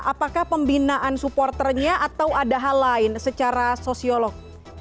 apakah pembinaan supporternya atau ada hal lain secara sosiolog